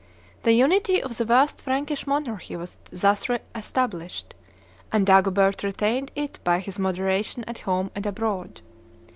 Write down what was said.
The unity of the vast Frankish monarchy was thus re established, and Dagobert retained it by his moderation at home and abroad.